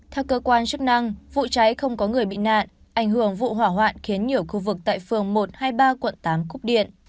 theo cơ quan chức năng vụ cháy không có người bị nạn ảnh hưởng vụ hỏa hoạn khiến nhiều khu vực tại phường một hai mươi ba quận tám cúp điện